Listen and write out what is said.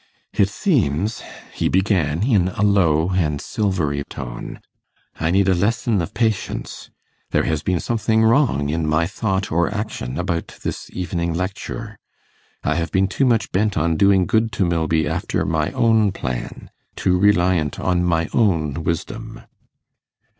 'It seems,' he began, in a low and silvery tone, 'I need a lesson of patience; there has been something wrong in my thought or action about this evening lecture. I have been too much bent on doing good to Milby after my own plan too reliant on my own wisdom.